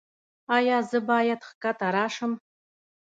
ایا زه باید ښکته راشم؟